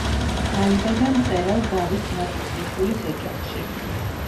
დაიბადა მწერალ დავით ნახუცრიშვილის ოჯახში.